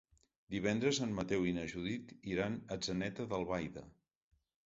Divendres en Mateu i na Judit iran a Atzeneta d'Albaida.